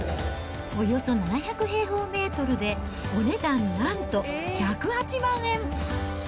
およそ７００平方メートルで、お値段なんと、１０８万円。